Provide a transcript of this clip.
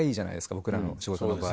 僕らの仕事の場合。